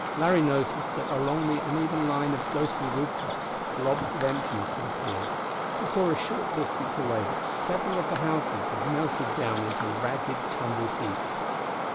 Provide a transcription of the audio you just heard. Larry noticed that along the uneven line of ghostly roof tops, blobs of emptiness had appeared; he saw a short distance away that several of the houses had melted down into ragged, tumbled heaps.